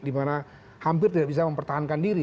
dimana hampir tidak bisa mempertahankan diri